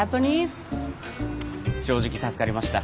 正直助かりました。